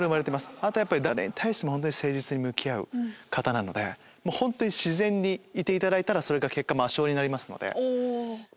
あとは誰に対しても誠実に向き合う方なので本当に自然にいていただいたらそれが結果魔性になります。